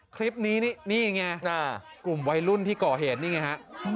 คลิปนี้นี่ไงกลุ่มวัยรุ่นที่ก่อเหตุนี่ไงฮะ